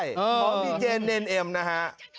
ของดีเจนเนรเอ็มนะฮะ